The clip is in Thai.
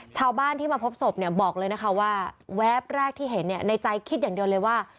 ชาวบ้านที่มาพบศพเนี่ยบอกเลยนะคะว่าแวบแรกที่เห็นเนี่ยในใจคิดอย่างเดียวเลยว่า